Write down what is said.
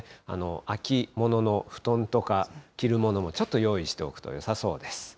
秋物の布団とか着るものも、ちょっと用意しておくとよさそうです。